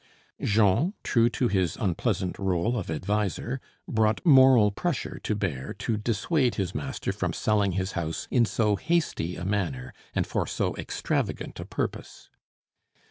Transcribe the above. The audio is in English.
Jean, true to his unpleasant rôle of adviser, brought moral pressure to bear to dissuade his master from selling his house in so hasty a manner and for so extravagant a purpose.